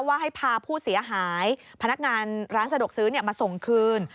ว่าให้พาผู้เสียหายพนักงานร้านสะดวกซื้อมาส่งคืน